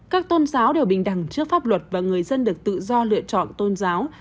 các tôn giáo đều bình đẳng trước pháp luật và người dân được tự do lựa chọn tôn giáo